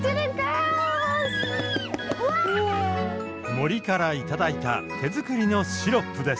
森から頂いた手作りのシロップです。